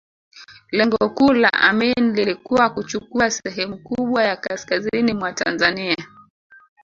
Lengo kuu la Amin lilikuwa kuchukua sehemu kubwa ya kaskazini mwa Tanzania